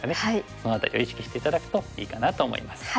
その辺りを意識して頂くといいかなと思います。